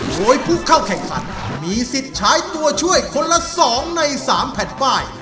โดยผู้เข้าแข่งขันมีสิทธิ์ใช้ตัวช่วยคนละ๒ใน๓แผ่นป้าย